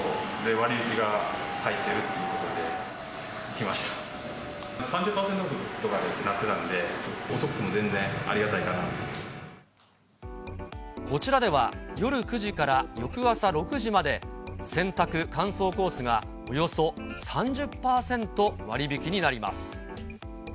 ３０％オフとかになってたんで、こちらでは、夜９時から翌朝６時まで、洗濯乾燥コースがおよそ３０％割引になります。